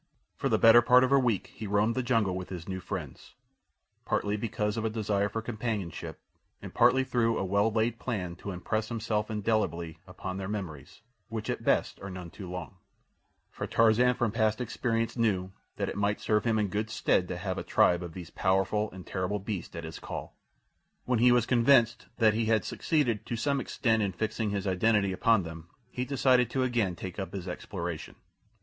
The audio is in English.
For the better part of a week he roamed the jungle with his new friends, partly because of a desire for companionship and partially through a well laid plan to impress himself indelibly upon their memories, which at best are none too long; for Tarzan from past experience knew that it might serve him in good stead to have a tribe of these powerful and terrible beasts at his call. When he was convinced that he had succeeded to some extent in fixing his identity upon them he decided to again take up his exploration.